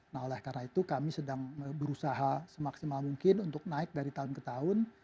nah oleh karena itu kami sedang berusaha semaksimal mungkin untuk naik dari tahun ke tahun